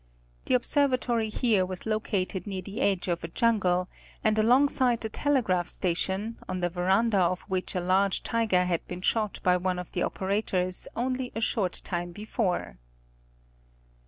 The observa tory here was located near the edge of a jungle, and alongside the telegraph station, on the veranda of which a large tiger had been shot by one of the operators only a short time before.